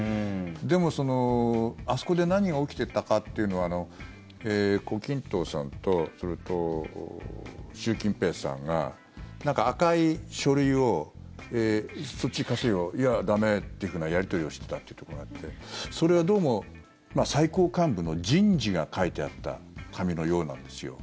でも、あそこで何が起きていたかというのは胡錦涛さんとそれと習近平さんがなんか赤い書類をそっち貸せよいや、駄目というふうなやり取りをしてたところがあってそれはどうも最高幹部の人事が書いてあった紙のようなんです。